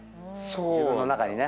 自分の中にね。